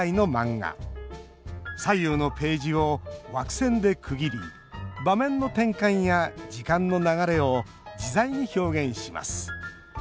左右のページを枠線で区切り場面の転換や時間の流れを自在に表現します。